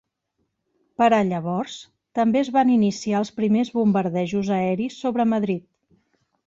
Per a llavors també es van iniciar els primers bombardejos aeris sobre Madrid.